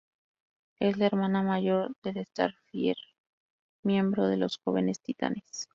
Es la hermana mayor de Starfire, miembro de los Jóvenes Titanes.